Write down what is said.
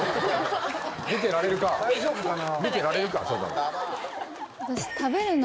大丈夫かな？